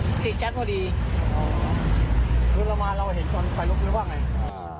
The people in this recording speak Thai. นี่ละมันเราเห็นภายละกูกดีปกครับ